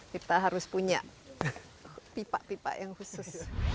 kita harus punya pipa pipa yang khusus